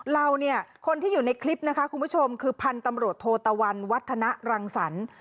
เราเนี่ยคนที่อยู่ในคลิปนะคะคุณผู้ชมคือพันธุ์ตำรวจโทตะวันวัฒนรังสรรค์